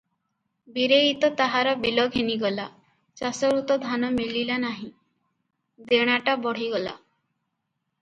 ବୀରେଇ ତ ତାହାର ବିଲ ଘେନିଗଲା, ଚାଷରୁ ତ ଧାନ ମିଳିଲା ନାହିଁ, ଦେଣାଟା ବଢ଼ିଗଲା ।